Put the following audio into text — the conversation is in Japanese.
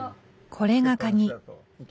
これがカギ。